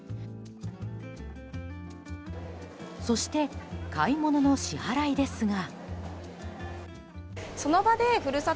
そして買い物の支払いですが。